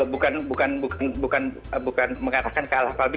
bukan mengarahkan ke arah publik